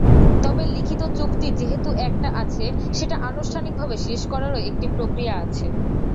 তবে লিখিত চুক্তি যেহেতু একটা আছে, সেটা আনুষ্ঠানিকভাবে শেষ করারও একটা প্রক্রিয়া আছে।